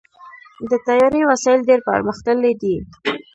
د طیارې وسایل ډېر پرمختللي دي.